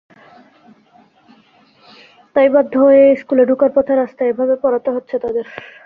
তাই বাধ্য হয়েই স্কুলে ঢোকার পথে রাস্তায় এভাবে পড়াতে হচ্ছে তাদের।